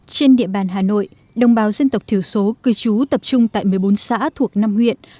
trên địa bàn hà nội đồng bào dân tộc thiểu số cư trú tập trung tại một mươi bốn xã thuộc năm huyện